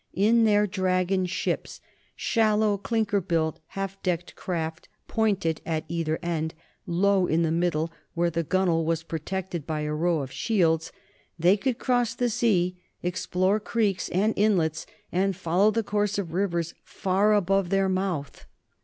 In their dragon ships shallow, clinker built, half decked craft, pointed at either end, low in the middle, where the gunwale was protected by a row of shields they could cross the sea, explore creeks and inlets, and follow the course of rivers far above their mouth.